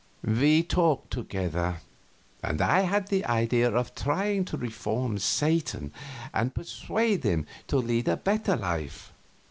We talked together, and I had the idea of trying to reform Satan and persuade him to lead a better life.